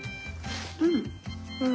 うん。